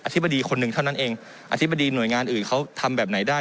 ธิบดีคนหนึ่งเท่านั้นเองอธิบดีหน่วยงานอื่นเขาทำแบบไหนได้